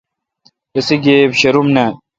رسے گیبہ شروم نان۔